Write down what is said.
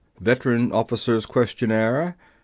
Veteran Officer's Questionnaire